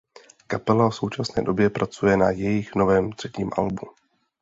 Kapela v současné době pracuje na jejich novém třetím albu.